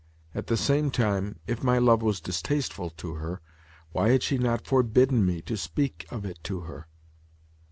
At the same time, if my love was distasteful to her, why had she not forbidden me to speak of it to her?